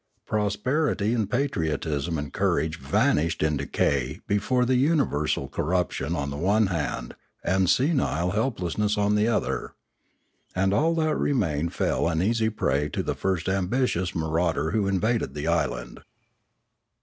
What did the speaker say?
Prosperity and patriotism and courage vanished in decay before the universal corrup tion on the one hand and the senile helplessness on the other. And all that remained fell an easy prey to the first ambitious marauder who invaded the island.